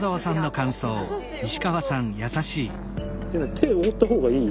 手を覆ったほうがいい？